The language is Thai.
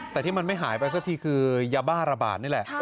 แต่ที่มันไม่หายไปสักทีคือยาบ้าระบาดนี่แหละ